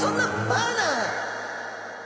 バーナー。